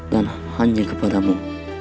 dan hanya kepadamu